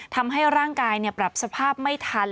ทำให้ร่างกายปรับสภาพไม่ทัน